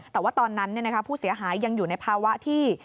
แต่ว่าตอนนั้นผู้เสียหายยังอยู่ในภาวะที่